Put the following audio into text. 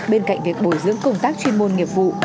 bên cạnh việc bồi dưỡng công tác chuyên môn nghiệp vụ